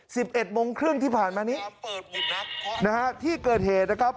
สิบเอ็ดโมงครึ่งที่ผ่านมานี้นะฮะที่เกิดเหตุนะครับ